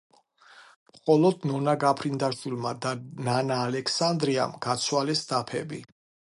მხოლოდ ნონა გაფრინდაშვილმა და ნანა ალექსანდრიამ გაცვალეს დაფები.